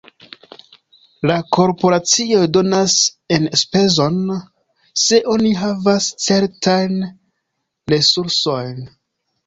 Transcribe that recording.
La korporacioj donas enspezon, se oni havas certajn resursojn.